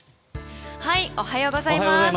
おはようございます。